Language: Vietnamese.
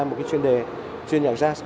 một cái chuyên đề chuyên nhạc jazz